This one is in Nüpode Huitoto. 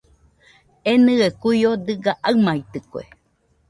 Enɨe kuio dɨga aɨmaitɨkue.